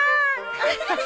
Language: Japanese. アハハハ。